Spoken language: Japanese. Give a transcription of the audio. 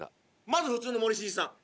まず普通の森進一さん